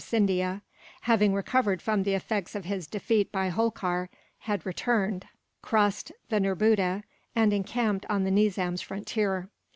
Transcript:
Scindia, having recovered from the effects of his defeat by Holkar, had returned, crossed the Nerbudda, and encamped on the Nizam's frontier.